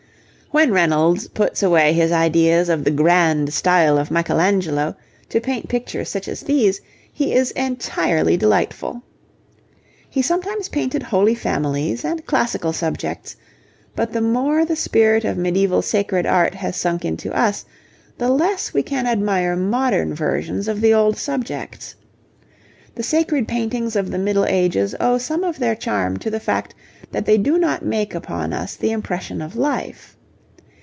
When Reynolds puts away his ideas of the grand style of Michelangelo to paint pictures such as these, he is entirely delightful. He sometimes painted Holy Families and classical subjects, but the more the spirit of medieval sacred art has sunk into us, the less can we admire modern versions of the old subjects. The sacred paintings of the Middle Ages owe some of their charm to the fact that they do not make upon us the impression of life.